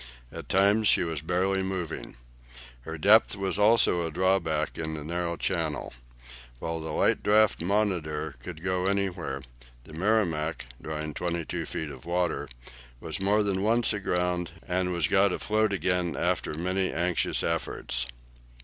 At times she was barely moving. Her depth was also a drawback in the narrow channel. While the light draught "Monitor" could go anywhere, the "Merrimac," drawing 22 feet of water, was more than once aground, and was got afloat again after many anxious efforts.